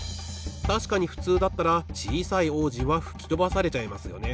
たしかにふつうだったらちいさい王子はふきとばされちゃいますよね。